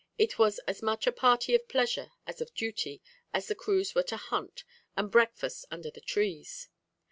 It was as much a party of pleasure as of duty, as the crews were to hunt, and breakfast under the trees.